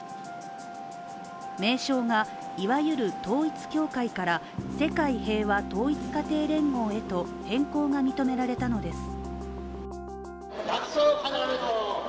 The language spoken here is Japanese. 名称がいわゆる統一教会から世界平和統一家庭連合へと変更が認められたのです。